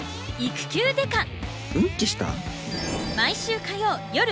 うんちした？